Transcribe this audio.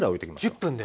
１０分で。